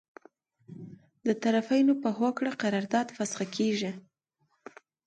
د طرفینو په هوکړه قرارداد فسخه کیږي.